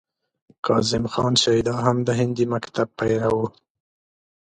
کاظم خان شیدا هم د هندي مکتب پیرو و.